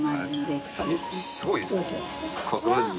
すごいですね。